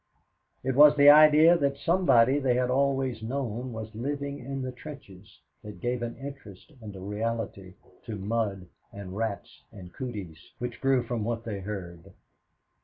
It was the idea that somebody they had always known was living in the trenches that gave an interest and a reality to mud and rats and cooties, which grew with what they heard.